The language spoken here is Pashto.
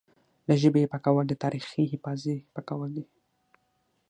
له ژبې یې پاکول د تاریخي حافظې پاکول دي